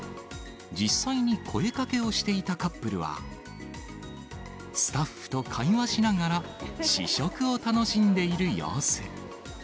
実際に声かけをしていたカップルは、スタッフと会話しながら、試食を楽しんでいる様子。